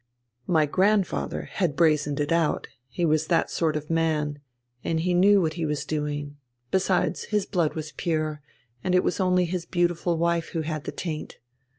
My grandfather had brazened it out, he was that sort of man, and knew what he was doing; besides, his blood was pure, it was only his beautiful wife who had the taint.